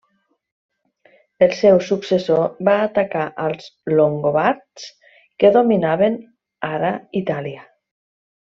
El seu successor va atacar als longobards que dominaven ara Itàlia.